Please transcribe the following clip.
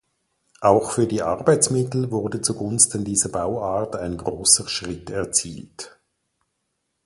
Auch für die Arbeitsmittel wurde zu Gunsten dieser Bauart ein großer Schritt erzielt.